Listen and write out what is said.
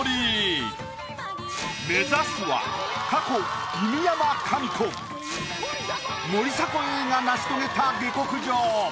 目指すは過去犬山紙子森迫永依が成し遂げた下克上。